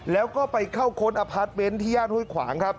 แล้วก็ไปเข้าค้นอพาร์ทเมนต์ที่ย่านห้วยขวางครับ